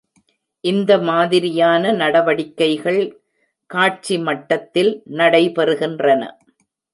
இந்த மாதிரியான நடவடிக்கைகள் "காட்சி மட்டத்தில்" நடைபெறுகின்றன.